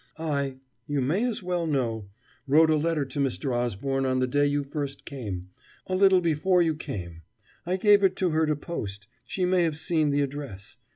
I you may as well know wrote a letter to Mr. Osborne on the day you first came, a little before you came. I gave it her to post she may have seen the address.